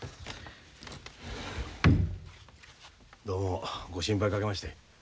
どうもご心配かけまして。